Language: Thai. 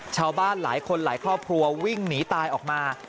ชาวบ้านหลายคนหลายครอบครัววิ่งหนีตายออกมา